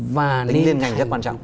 tính liên ngành rất quan trọng